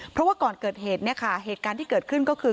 เพราะว่าก่อนเกิดเหตุเนี่ยค่ะเหตุการณ์ที่เกิดขึ้นก็คือ